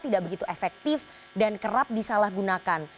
tidak begitu efektif dan kerap disalahgunakan